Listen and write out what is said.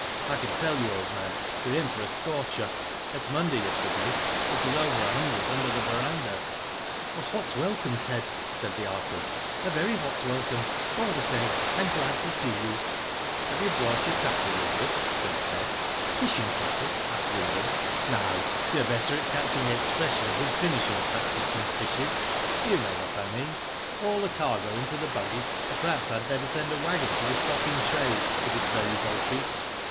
I can tell you, old man, we're in for a scorcher. At Munda yesterday, it was over a hundred under the verandah." A hot welcome, Ted," said the artist. " A very hot welcome. All the same, I'm glad to see you." Digitized byGoogk 56 WHO DID IT? " Have you brought your tackle with you ?*' said Ted. Fishing tackle ?" asked Wyndham. " No. You're better at catching expressions, and finishing touches, than fishes. You know what I mean. Haul the cargo into the buggy, or perhaps I had better send a waggon for the stock in trade, if it is very bulky.''